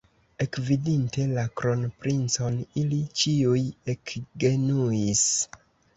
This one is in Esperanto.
Ekvidinte la kronprincon, ili ĉiuj ekgenuis.